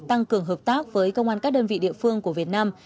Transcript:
tăng cường hợp tác với công an các đơn vị địa phương của việt nam